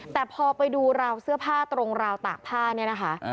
แต่พอไปดูราวเสื้อผ้าตรงราวตากผ้าเนี่ยนะคะ